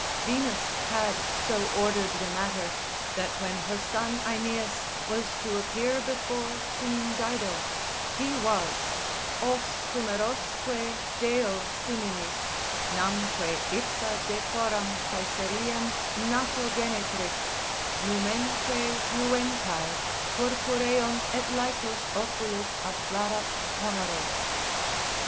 Venus had so ordered the matter, that when her son Aeneas was to appear before Queen Dido, he was (Os humerosque deo similis (namque ipsa decoram Caesariem nato genetrix, lumenque juventae Purpureum et laetos oculis afflarat honores.)